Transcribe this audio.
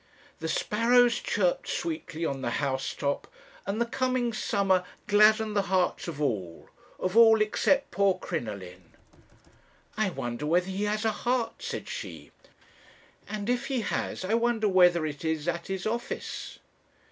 The sparrows chirped sweetly on the house top, and the coming summer gladdened the hearts of all of all except poor Crinoline. "'I wonder whether he has a heart, said she; 'and if he has, I wonder whether it is at his office.'